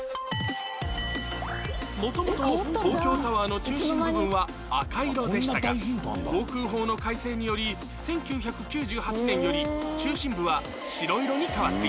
元々東京タワーの中心部分は赤色でしたが航空法の改正により１９９８年より中心部は白色に変わっています